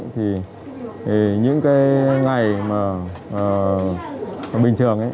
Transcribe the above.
thì những ngày bình thường